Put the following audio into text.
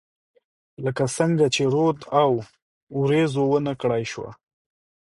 لکه څنګه چې رود او، اوریځو ونه کړای شوه